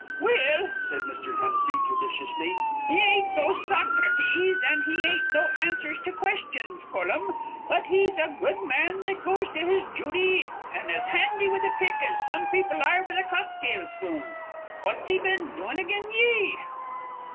"Well," said Mr. Hennessy, judiciously, "he ain't no Soc rates an' he ain't no answers to questions colum; but he's a good man that goes to his jooty, an' as handy with a pick as some people are with a cocktail spoon. What's he been doin' again ye?"